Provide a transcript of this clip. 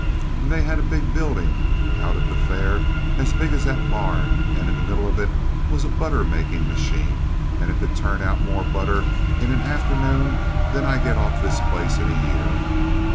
An' they had a big buildin' out at the fair as big as that barn, and in the middle of it was a butter making machine, and it could turn out more butter in an afternoon than I get off this place in a year.